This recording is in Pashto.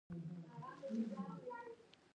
یو خو دا چې هېواد یې له احتمالي ښورښونو پاکاوه.